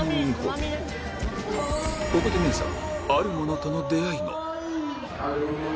ここで姉さん